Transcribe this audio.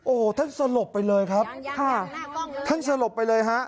โอ้โหท่านสลบไปเลยครับค่ะท่านสลบไปเลยฮะ